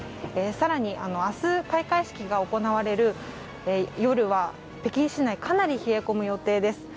更に明日、開会式が行われる夜は北京市内かなり冷え込む予想です。